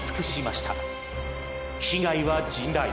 被害は甚大。